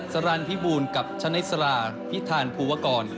สรรพิบูลกับชนิสราพิธานภูวกร